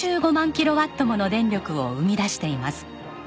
キロワットもの電力を生み出しています。